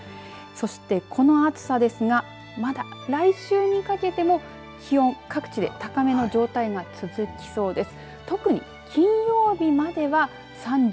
そして、この暑さですがまだ来週にかけても気温、各地で高めの状態が続きそうです。